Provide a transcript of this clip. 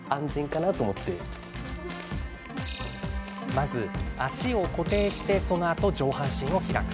まず足を固定してそのあと上半身を開く。